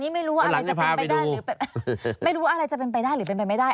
ไม่รู้ไม่รู้เลยตอนนี้ไม่รู้ว่าอะไรจะเป็นไปได้หรือเป็นไปไม่ได้